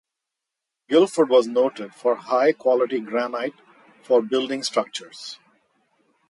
Guilford was noted for high quality Granite for building structures.